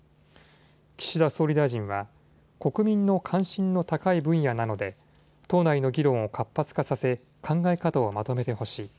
岸田総理大臣は国民の関心の高い分野なので党内の議論を活発化させ考え方をまとめてほしい。